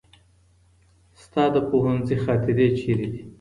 ستا د پوهنځي خاطرې چیرته دي؟